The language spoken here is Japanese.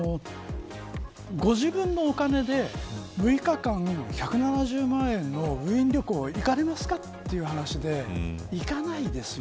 自分のお金で６日間１７０万円のウィーン旅行へ行かれますかという話で行かないですよ